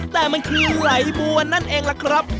แต่มันคือไหลบัวนั่นเองล่ะครับ